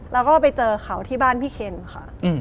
แล้วก็ไปเจอเขาที่บ้านพี่เคนค่ะ